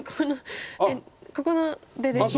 ここの出ですね。